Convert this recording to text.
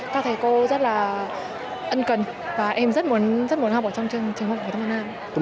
các thầy cô rất là ân cần và em rất muốn học ở trong trường học phổ thông hà nam